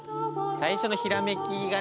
最初のひらめきがね